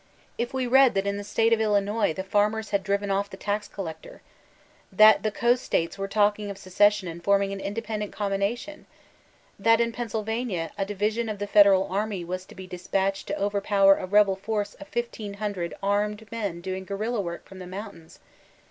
if we read that in the state of Illinob the farmers had driven oflF the tax collector? that the coast states were talking of secession and forming an independent combination? that in Penn* sylvania a division of the federal army was to be dis patched to overpower a rebel force of fifteen hundred armed men doing guerilla work from the mountains ?